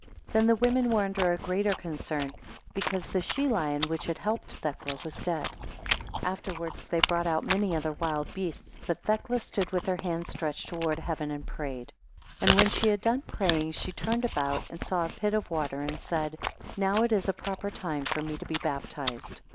5 Then the women were under a greater concern, because the she lion, which had helped Thecla, was dead. 6 Afterwards they brought out many other wild beasts; but Thecla stood with her hands stretched towards heaven, and prayed; and when she had done praying, she turned about, and saw a pit of water, and said, Now it is a proper time for me to be baptized.